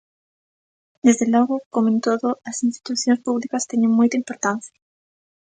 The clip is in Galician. Desde logo, como en todo, as institucións públicas teñen moita importancia.